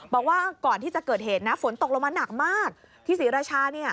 บอกว่าก่อนที่จะเกิดเหตุนะฝนตกลงมาหนักมากที่ศรีราชาเนี่ย